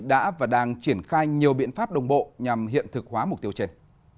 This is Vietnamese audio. đã và đang triển khai nhiều biện pháp đồng bộ nhằm hiện thực hóa mục tiêu trên